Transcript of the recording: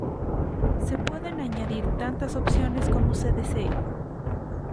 Se pueden añadir tantas opciones como se desee.